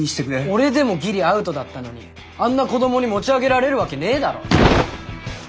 俺でもぎりアウトだったのにあんな子どもに持ち上げられるわけねえだろ。